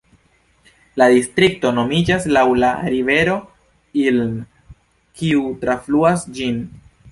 La distrikto nomiĝas laŭ la rivero Ilm, kiu trafluas ĝin.